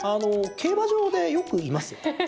競馬場でよくいますよ。